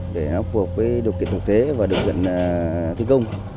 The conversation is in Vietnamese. để phù hợp với điều kiện thực tế và điều kiện thi công